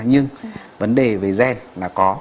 nhưng vấn đề về gen là có